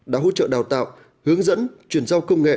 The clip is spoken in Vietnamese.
đã hỗ trợ đào tạo hướng dẫn chuyển giao công nghệ